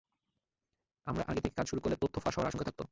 আমরা আগে থেকে কাজ শুরু করলে তথ্য ফাঁস হওয়ার আশঙ্কা থাকত।